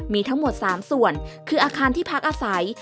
มีทั้งหมด๓ส่วนคืออาคารที่พักอาศัย